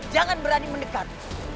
jangan berani mendekat